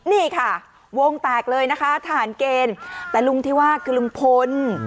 นี่ค่ะวงแตกเลยนะคะทหารเกณฑ์แต่ลุงที่ว่าคือลุงพล